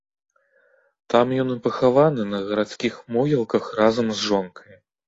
Там ён і пахаваны на гарадскіх могілках разам з жонкай.